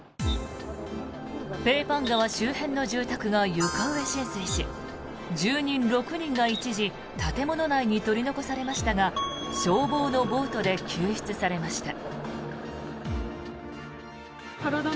ペーパン川周辺の住宅が床上浸水し住人６人が一時、建物内に取り残されましたが消防のボートで救出されました。